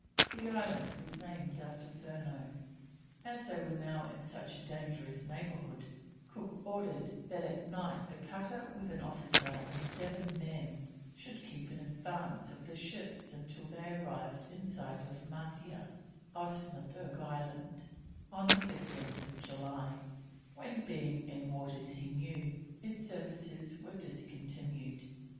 The island was named after Furneaux. As they were now in such a dangerous neighbourhood, Cook ordered that at night the cutter with an officer and seven men should keep in advance of the ships until they arrived in sight of Maitea (Osnaburg Island) on 15th July, when, being in waters he knew, its services were discontinued.